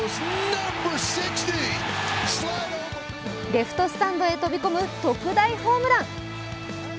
レフトスタンドへ飛び込む特大ホームラン。